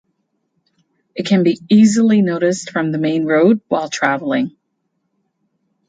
It can be easily noticed from the main road while traveling.